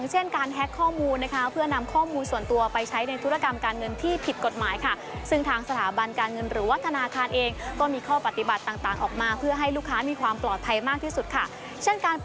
ให้ชัดเจน